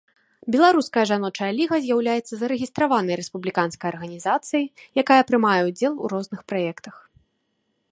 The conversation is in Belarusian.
Беларуская жаночая ліга з'яўляецца зарэгістраванай рэспубліканскай арганізацыяй, якая прымае ўдзел у розных праектах.